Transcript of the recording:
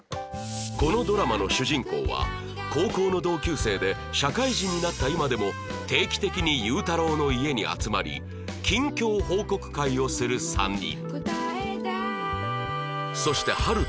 このドラマの主人公は高校の同級生で社会人になった今でも定期的に祐太郎の家に集まり近況報告会をする３人